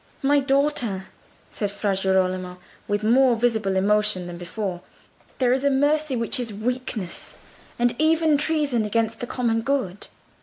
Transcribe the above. "My daughter," said Fra Girolamo, with more visible emotion than before, "there is a mercy which is weakness, and even treason against the common good.